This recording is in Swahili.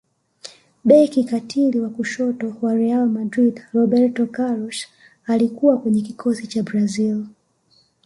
beki katili wa kushoto wa real madrid roberto carlos alikuwa kwenye kikosi cha brazil